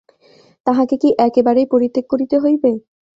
তাঁহাকে কি একেবারেই পরিত্যাগ করিতে হইবে?